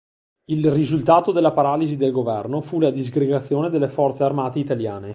Il risultato della paralisi del governo fu la disgregazione delle forze armate italiane.